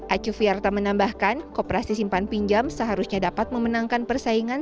acu fiarta menambahkan kooperasi simpan pinjam seharusnya dapat memenangkan persaingan